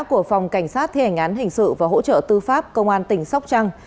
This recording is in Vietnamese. của phòng cảnh sát thi hành án hình sự và hỗ trợ tư pháp công an tỉnh sóc trăng